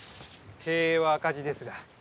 経営は赤字ですが。